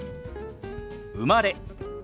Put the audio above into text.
「生まれ」。